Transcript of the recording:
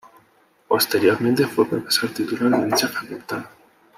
Posteriormente fue profesor titular de dicha facultad.